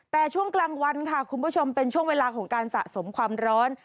แต่ช่วงกลางวันค่ะคุณผู้ชมเป็นช่วงเวลาของการสะสมความร้อน